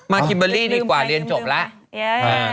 คิมเบอร์รี่ดีกว่าเรียนจบแล้ว